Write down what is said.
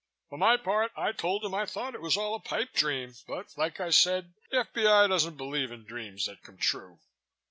For my part, I told him I thought it was all a pipe dream but like I said the F.B.I. doesn't believe in dreams that come true."